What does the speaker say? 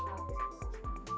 saya tuh di politik tuh kecemplung